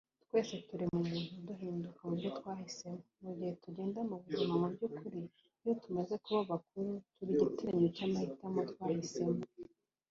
twese turema umuntu duhinduka kubyo twahisemo mugihe tugenda mubuzima mu byukuri, iyo tumaze kuba bakuru, turi igiteranyo cy'amahitamo twahisemo